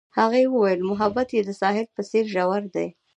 هغې وویل محبت یې د ساحل په څېر ژور دی.